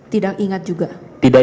tidak ingat juga tidak